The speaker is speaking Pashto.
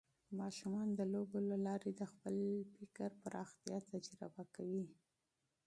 ماشومان د لوبو له لارې د خپل فکر پراختیا تجربه کوي.